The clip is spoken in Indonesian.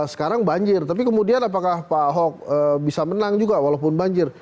sekarang banjir tapi kemudian apakah pak ahok bisa menang juga walaupun banjir